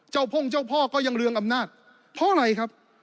พ่งเจ้าพ่อก็ยังเรืองอำนาจเพราะอะไรครับ